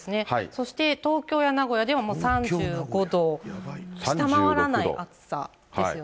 そして東京や名古屋では、もう３５度を下回らない暑さですよね。